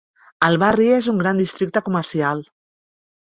El barri és un gran districte comercial.